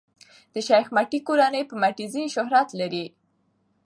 د شېخ متی کورنۍ په "متي زي" شهرت لري.